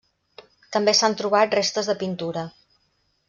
També s'han trobat restes de pintura.